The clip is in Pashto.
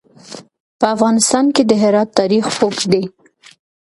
په افغانستان کې د هرات تاریخ اوږد دی.